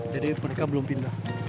jadi mereka belum pindah